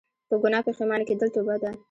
په ګناه پښیمانه کيدل توبه ده